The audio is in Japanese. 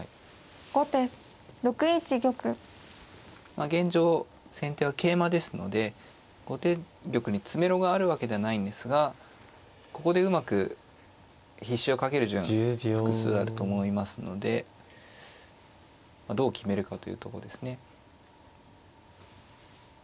まあ現状先手は桂馬ですので後手玉に詰めろがあるわけではないんですがここでうまく必至をかける順複数あると思いますのでどう決めるかというとこですね。